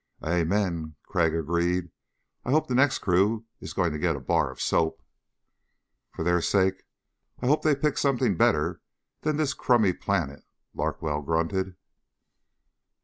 "Amen," Crag agreed. "I hope the next crew is going to get a bar of soap." "For their sake I hope they pick something better than this crummy planet," Larkwell grunted.